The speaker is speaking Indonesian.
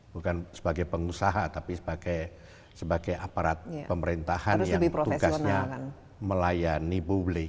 bukan sebagai pengusaha tapi sebagai aparat pemerintahan yang tugasnya melayani publik